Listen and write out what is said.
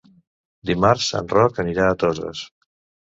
Dimarts en Roc anirà a Toses.